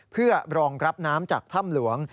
เพื่อรองรับน้ำจากถ้ำหลวง